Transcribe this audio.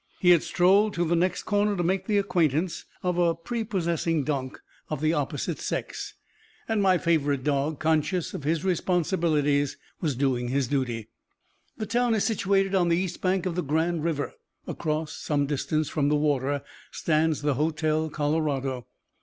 He had strolled to the next corner to make the acquaintance of a prepossessing donk of the opposite sex, and my faithful dog, conscious of his responsibilities, was doing his duty. The town is situated on the east bank of the Grand River; across, some distance from the water, stands the Hotel Colorado.